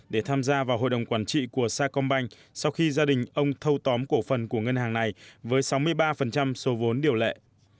để tham gia vào hội đồng quản trị của sacombank sau khi gia đình ông thâu tóm cổ phần của ngân hàng này với sáu mươi ba số vốn điều lệ